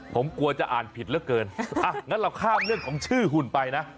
ผมกลัวจะอ่านผิดเหลือเกินอ่ะงั้นเราข้ามเรื่องของชื่อหุ่นไปนะ